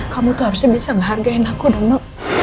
kamu tuh harusnya bisa menghargain aku dulu